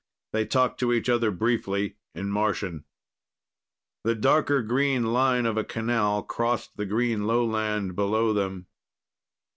They talked to each other briefly in Martian. The darker green line of a canal crossed the green lowland below them.